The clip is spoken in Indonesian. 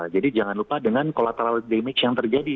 jadi jangan lupa dengan kolateral damage yang terjadi